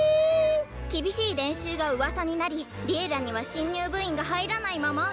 厳しい練習がうわさになり「Ｌｉｅｌｌａ！」には新入部員が入らないまま。